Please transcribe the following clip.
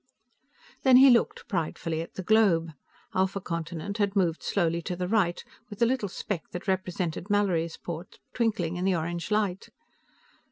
Then he looked, pridefully, at the globe. Alpha Continent had moved slowly to the right, with the little speck that represented Mallorysport twinkling in the orange light.